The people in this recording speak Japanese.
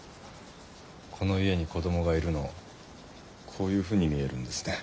この家に子どもがいるのこういうふうに見えるんですね。